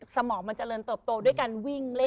สมองมันเจริญเติบโตด้วยการวิ่งเล่น